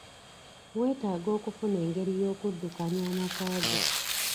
Weetaaga okufuna engeri y'okuddukaanya amaka go.